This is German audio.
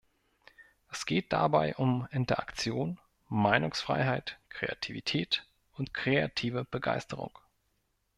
Es geht dabei um Interaktion, Meinungsfreiheit, Kreativität und kreative Begeisterung.